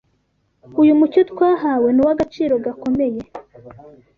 Uyu mucyo twahawe ni uw’agaciro gakomeye